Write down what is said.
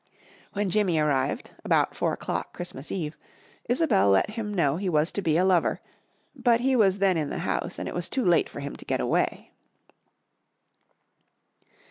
When Jimmy arrived, about four o'clock Christmas eve, Isobel let him know he was to be a lover, but he was then in the house, and it was too late for him to get away.